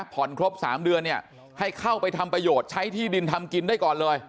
ครบ๓เดือนเนี่ยให้เข้าไปทำประโยชน์ใช้ที่ดินทำกินได้ก่อนเลย